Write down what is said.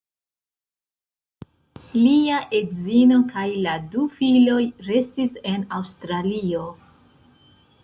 Lia edzino kaj la du filoj restis en Aŭstralio.